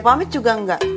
pak amit juga enggak